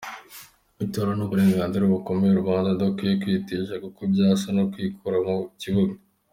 Itora ni uburenganzira bukomeye rubanda idakwiye kwitesha kuko byasa no kwikura mu kibuga!